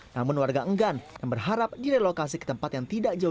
namun warga enggan dan berharap direlokasi ke tempat yang tidak jauh